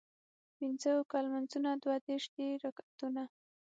پينځۀ اوکه مونځونه دوه دېرش دي رکعتونه